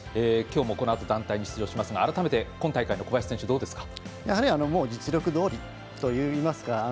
きょうも、このあと団体に出場しますが改めて、今大会の小林選手どう見ますか？